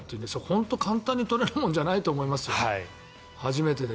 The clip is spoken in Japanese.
本当に簡単に取れるもんじゃないと思いますよ初めてで。